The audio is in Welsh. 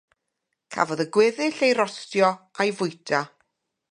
Cafodd y gweddill ei rostio a'i fwyta.